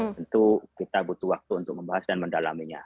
tentu kita butuh waktu untuk membahas dan mendalaminya